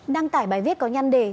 đăng tải bài viết có nhân đề